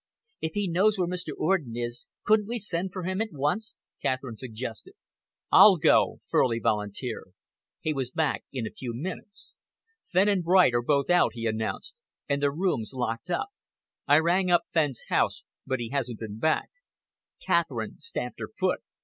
"If he knows where Mr. Orden is, couldn't we send for him at once?" Catherine suggested. "I'll go," Furley volunteered. He was back in a few minutes. "Fenn and Bright are both out," he announced, "and their rooms locked up. I rang up Fenn's house, but he hasn't been back." Catherine stamped her foot.